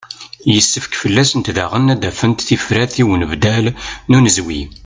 Yessefk fell-asent daɣen ad d-afent tifrat i unbeddal n unezwi.